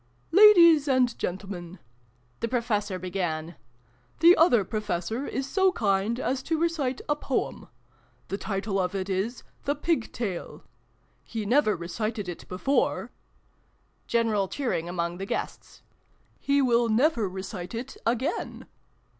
" Ladies, and gentlemen," the Professor began, " the Other Professor is so kind as to recite a Poem. The title of it is ' The Pig Tale.' He never recited it before !" (General cheering among the guests.) " He will never recite it again